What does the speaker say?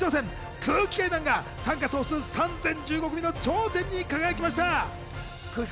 空気階段が参加総数３０１５組の頂点に輝きました。